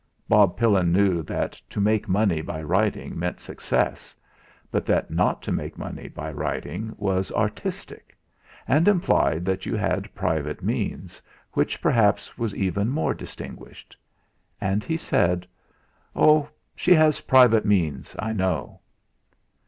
Bob Pillin knew that to make money by writing meant success, but that not to make money by writing was artistic, and implied that you had private means, which perhaps was even more distinguished. And he said: "Oh! she has private means, I know."